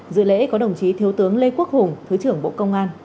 dự lễ có đồng chí thiếu tướng lê quốc